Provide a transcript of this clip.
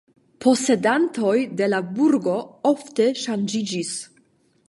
Posedantoj de la burgo ofte ŝanĝiĝis.